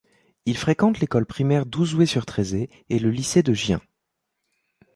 Il fréquente l'école primaire d'Ouzouer-sur-Trézée et le lycée de Gien.